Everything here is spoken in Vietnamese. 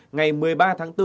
ngày một mươi ba tháng bốn